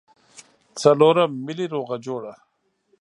څلورم ملي روغه جوړه.